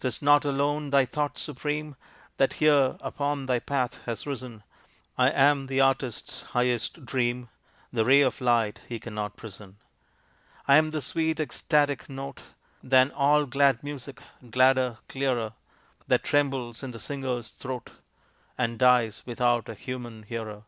"'Tis not alone thy thought supreme That here upon thy path has risen; I am the artist's highest dream, The ray of light he cannot prison. I am the sweet ecstatic note Than all glad music gladder, clearer, That trembles in the singer's throat, And dies without a human hearer.